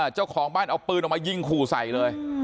เจ้าของบ้านเอาปืนออกมายิงขู่ใส่เลย